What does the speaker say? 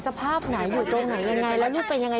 อยากจะเห็นว่าลูกเป็นยังไงอยากจะเห็นว่าลูกเป็นยังไง